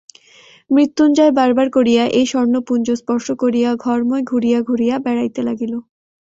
মৃত্যুঞ্জয় বারবার করিয়া এই স্বর্ণপুঞ্জ স্পর্শ করিয়া ঘরময় ঘুরিয়া ঘুরিয়া বেড়াইতে লাগিল।